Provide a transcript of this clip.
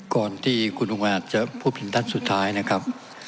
ก่อนที่คุณลูกมาดจะพูดเพียงท่านสุดท้ายนะครับ